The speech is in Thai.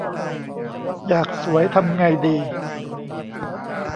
อยากสวยทำไงดี